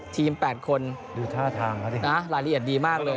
ทีม๘คนรายละเอียดดีมากเลย